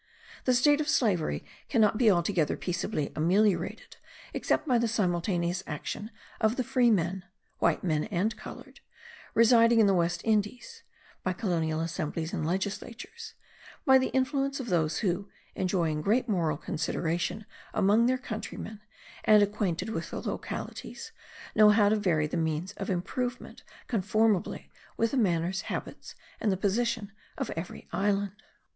The state of slavery cannot be altogether peaceably ameliorated except by the simultaneous action of the free men (white men and coloured) residing in the West Indies; by colonial assemblies and legislatures; by the influence of those who, enjoying great moral consideration among their countrymen and acquainted with the localities, know how to vary the means of improvement conformably with the manners, habits, and the position of every island.